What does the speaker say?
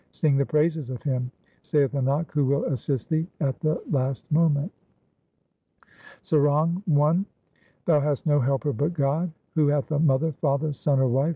Sing the praises of Him, Saith Nanak, who will assist thee at the last moment. Sarang I Thou hast no helper but God ; Who hath a mother, father, son, or wife ?